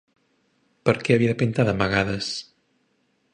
Per què havia de pintar d'amagades?